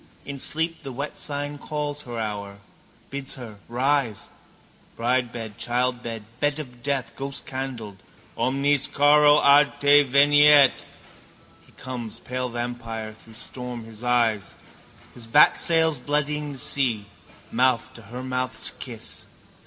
In sleep the wet sign calls her hour, bids her rise. Bridebed, childbed, bed of death, ghostcandled. Omnis caro ad te veniet. He comes, pale vampire, through storm his eyes, his bat sails bloodying the sea, mouth to her mouth's kiss.